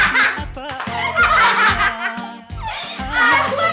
tapi apa adanya